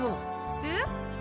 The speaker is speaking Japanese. えっ？